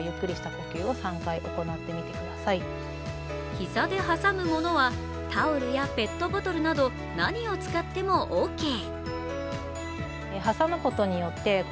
膝で挟むものはタオルやペットボトルなど何を使ってもオーケー。